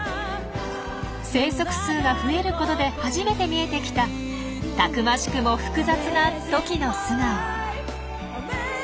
生息数が増えることで初めて見えてきたたくましくも複雑なトキの素顔。